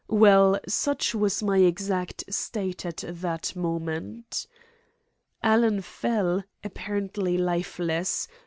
Well, such was my exact state at that moment. Alan fell, apparently lifeless.